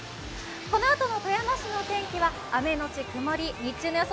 このあとの富山市の天気は雨のち曇り日中の予想